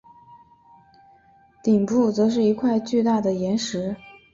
顶部则是一块巨大的岩石。